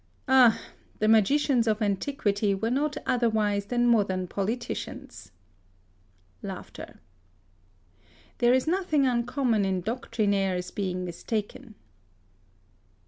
Ah I the magicians of antiquity were not otherwise than modern politicians. There is nothing 32 HISTORY OF uncommon i^ doctrinaires being mis taken.